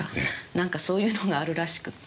なんかそういうのがあるらしくって。